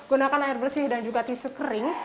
gunakan air bersih dan juga tisu kering